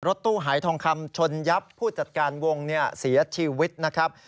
ตู้หายทองคำชนยับผู้จัดการวงเนี่ยเสียชีวิตนะครับ